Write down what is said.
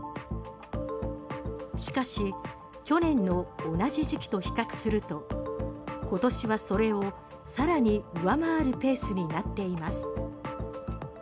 しかし去年の同じ時期と比較すると今年はそれをさらに上回るペースになっています。